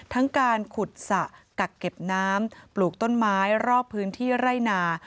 ทั้งการขุดสระกักเก็บน้ำปลูกต้นไม้รอบพื้นที่ไร่นา